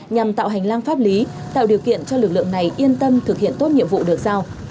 nhằm tạo hành lang pháp lý tạo điều kiện cho lực lượng này yên tâm thực hiện tốt nhiệm vụ được giao